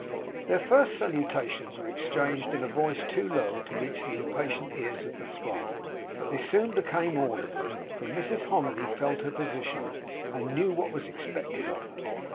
Their first salutations were exchanged in a voice too low to reach the impatient ears of the throng; but they soon became audible, for Mrs Hominy felt her position, and knew what was expected of her.